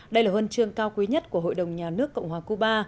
đây là huân chương cao quý nhất của hội đồng nhà nước cộng hòa cuba